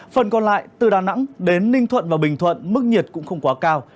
phần còn lại từ đà nẵng đến ninh thuận và bình thuận mức nhiệt cũng không quá cao